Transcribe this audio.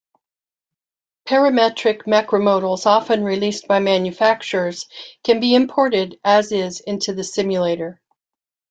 Parametric macromodels, often released by manufacturers, can be imported as-is into the simulator.